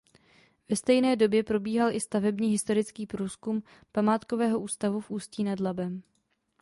Ve stejné době probíhal i stavebně historický průzkum Památkového ústavu v Ústí nad Labem.